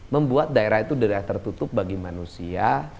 membuat daerah itu daerah tertutup bagi manusia